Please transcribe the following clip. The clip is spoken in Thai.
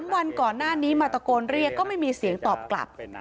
วันก่อนหน้านี้มาตะโกนเรียกก็ไม่มีเสียงตอบกลับ